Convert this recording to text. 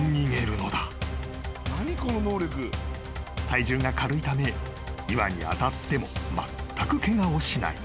［体重が軽いため岩に当たってもまったくケガをしない］